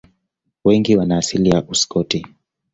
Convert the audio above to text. Wengi wana asili ya Uskoti.